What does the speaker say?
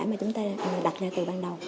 mà chúng ta đặt ra từ ban đầu